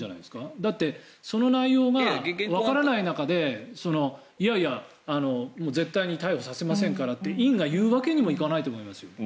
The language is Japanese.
だってその内容がわからない中でいやいや絶対に逮捕させませんからって院が言うわけにもいかないと思いますよ。